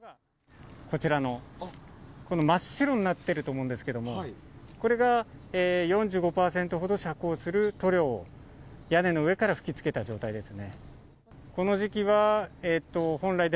真っ白になっていると思うんですけど４５％ほど遮光する塗料を屋根の上から吹きつけた状態です。